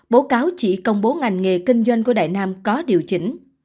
báo cáo chỉ công bố ngành nghề kinh doanh của đại nam có điều chỉnh